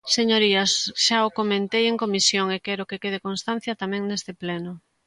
Señorías, xa o comentei en comisión e quero que quede constancia tamén neste pleno.